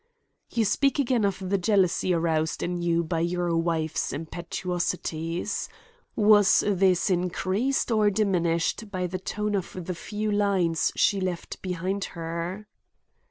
"You speak again of the jealousy aroused in you by your wife's impetuosities. Was this increased or diminished by the tone of the few lines she left behind her?"